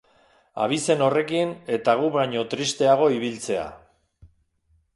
Abizen horrekin, eta gu baino tristeago ibiltzea.